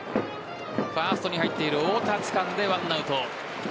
ファーストに入っている太田つかんで１アウト。